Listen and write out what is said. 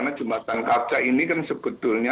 karena jembatan kaca ini kan sebetulnya